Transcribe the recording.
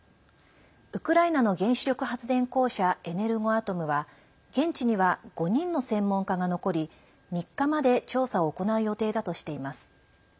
ウクライナの原子力発電公社エネルゴアトムは現地には５人の専門家が残り３日まで調査を行う予定だとしています。